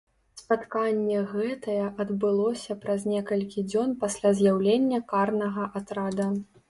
Спатканне гэтае адбылося праз некалькі дзён пасля з'яўлення карнага атрада.